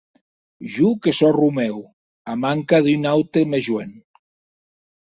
Jo que sò Romèu, a manca de un aute mès joen.